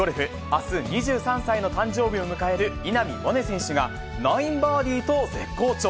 あす２３歳の誕生日を迎える稲見萌寧選手が、９バーディーと絶好調。